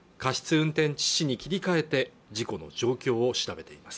運転致死に切り替えて事故の状況を調べています